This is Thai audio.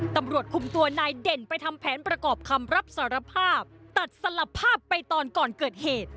ตำรวจคุมตัวนายเด่นไปทำแผนประกอบคำรับสารภาพตัดสลับภาพไปตอนก่อนเกิดเหตุ